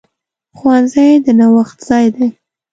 ښوونځی د نوښت ځای دی.